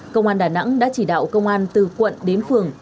công an đà nẵng đã chỉ đạo công an từ quận đến phường